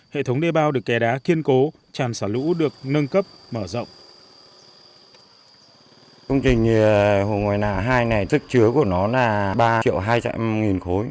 hệ thống đê bao được kè đá kiên cố tràn xả lũ được nâng cấp mở rộng